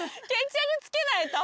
決着つけないと。